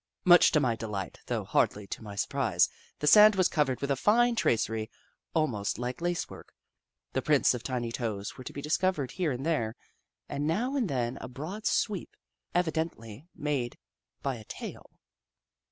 Much to my delight, though hardly to my surprise, the sand was covered with a fine tracery, almost like lace work. The prints of tiny toes were to be discovered here and there, and now and then a broad sweep, evidently made by a tail.